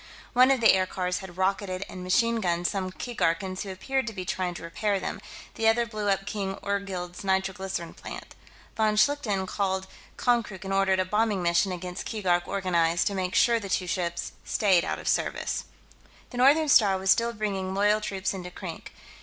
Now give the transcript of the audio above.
One of the aircars had rocketed and machine gunned some Keegarkans who appeared to be trying to repair them; the other blew up King Orgzild's nitroglycerine plant. Von Schlichten called Konkrook and ordered a bombing mission against Keegark organized, to make sure the two ships stayed out of service. The Northern Star was still bringing loyal troops into Krink.